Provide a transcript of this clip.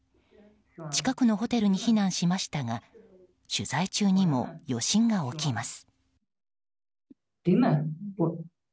近くのホテルに避難しましたが取材中にも余震が起きます。